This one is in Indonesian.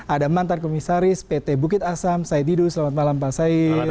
ada mantan komisaris pt bukit asam said didu selamat malam pak said